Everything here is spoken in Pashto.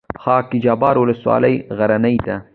خاک جبار ولسوالۍ غرنۍ ده؟